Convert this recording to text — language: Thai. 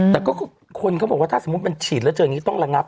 แต่ก็คือคนเขาบอกว่าถ้าสมมุติมันฉีดแล้วเจออย่างนี้ต้องระงับ